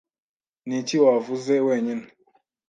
Ni iki wavuze wenyine?